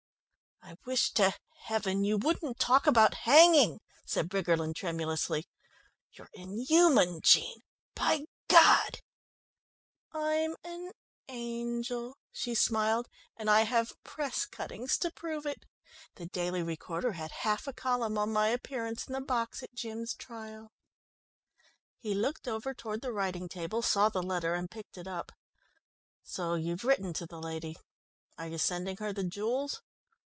"I wish to heaven you wouldn't talk about hanging," said Briggerland tremulously, "you're inhuman, Jean, by God " "I'm an angel," she smiled, "and I have press cuttings to prove it! The Daily Recorder had half a column on my appearance in the box at Jim's trial." He looked over toward the writing table, saw the letter, and picked it up. "So you've written to the lady. Are you sending her the jewels?"